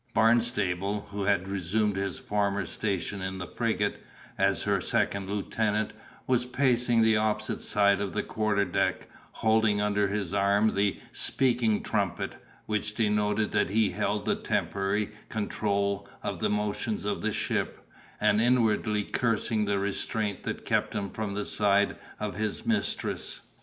Barnstable, who had resumed his former station in the frigate, as her second lieutenant, was pacing the opposite side of the quarter deck, holding under his arm the speaking trumpet, which denoted that he held the temporary control of the motions of the ship, and inwardly cursing the restraint that kept him from the side of his mistress.